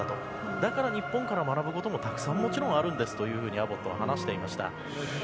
だから日本から学ぶこともたくさんあるんですとアボットは話していました。